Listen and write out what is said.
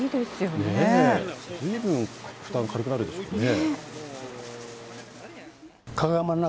ずいぶん負担、軽くなるでしょうね。